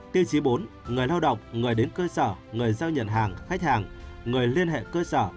tiêu chí bốn người lao động người đến cơ sở người giao nhận hàng khách hàng người liên hệ cơ sở